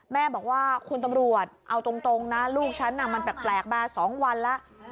แม่บอกว่าคุณตำรวจเอาตรงนะลูกฉันมันแปลกมา๒วันแล้ว